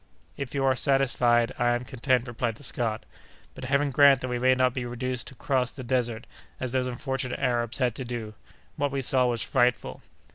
"If you are satisfied, I am content," replied the Scot, "but Heaven grant that we may not be reduced to cross the desert, as those unfortunate Arabs had to do! What we saw was frightful!"